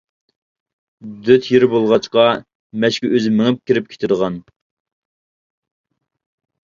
دۆت يېرى بولغاچقا مەشكە ئۆزى مېڭىپ كىرىپ كېتىدىغان.